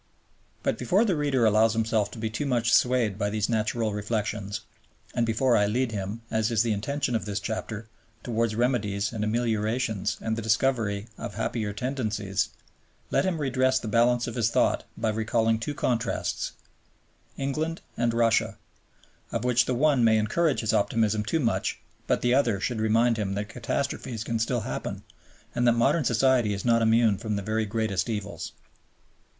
But before the reader allows himself to be too much swayed by these natural reflections, and before I lead him, as is the intention of this chapter, towards remedies and ameliorations and the discovery of happier tendencies, let him redress the balance of his thought by recalling two contrasts England and Russia, of which the one may encourage his optimism too much, but the other should remind him that catastrophes can still happen, and that modern society is not immune from the very greatest evils.